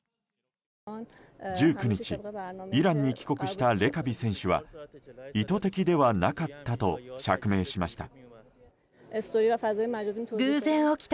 １９日、イランに帰国したレカビ選手は意図的ではなかったと釈明しました。